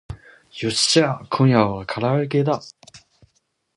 よっしゃー今夜は唐揚げだ